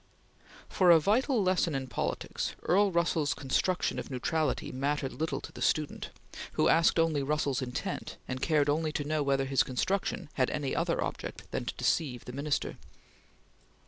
For a vital lesson in politics, Earl Russell's construction of neutrality mattered little to the student, who asked only Russell's intent, and cared only to know whether his construction had any other object than to deceive the Minister.